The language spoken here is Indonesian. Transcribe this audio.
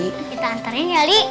kita anterin ya ali